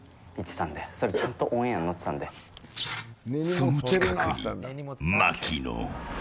その近くに槙野。